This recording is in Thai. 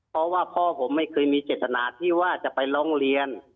เพราะว่าพ่อผมไม่เคยมีเจตนาที่ว่าจะไปร้องเรียน